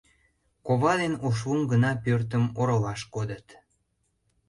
Кова ден Ошлум гына пӧртым оролаш кодыт.